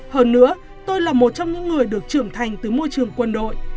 hơn nữa tôi là một trong những người được trưởng thành từ môi trường quân đội